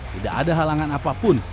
tidak ada halangan apapun